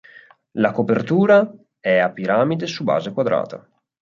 La copertura è a piramide su base quadrata.